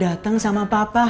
makanya itu ditarik patrick